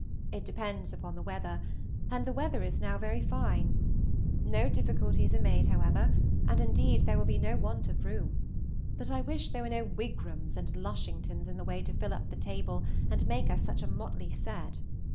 It depends upon the weather, and the weather now is very fine. No difficulties are made, however, and, indeed, there will be no want of room; but I wish there were no Wigrams and Lushingtons in the way to fill up the table and make us such a motley set.